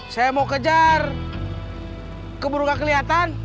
saya mau kejar keburungan kelihatan